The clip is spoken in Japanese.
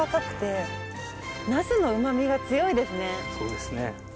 そうですね。